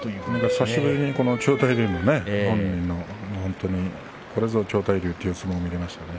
久しぶりに千代大龍の本人のこれぞ千代大龍という相撲が見れましたね。